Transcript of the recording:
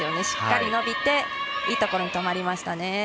しっかり伸びて、いいところに止まりましたね。